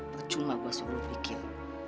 percuma gua suruh lu mikir